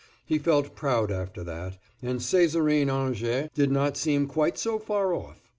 He felt proud after that, and Césarine Angers did not seem quite so far off.